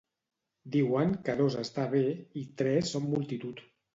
Diuen que dos està bé i tres són multitud